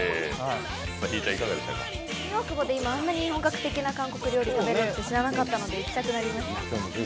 新大久保で今、あんなに本格的な韓国料理が食べられるって知らなかったので、行きたくなりました。